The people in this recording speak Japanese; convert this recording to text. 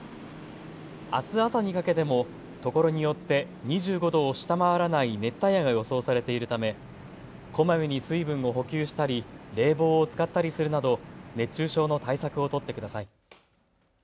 あす朝にかけても所によって２５度を下回らない熱帯夜が予想されているためこまめに水分を補給したり冷房を使ったりするなど熱中症の対策を取ってください。